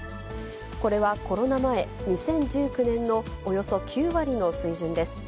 これはコロナ前、２０１９年のおよそ９割の水準です。